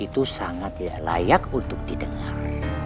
itu sangat tidak layak untuk didengar